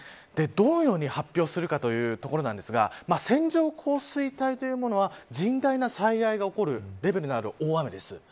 どのように発表するかというところなんですが線状降水帯というものは甚大な災害が起こるレベルとなる大雨です。